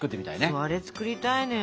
そうあれ作りたいのよ。